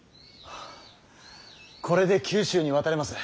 これで九州に渡れます。